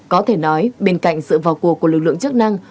có thể nói bên cạnh sự vào cuộc của lực lượng chức năng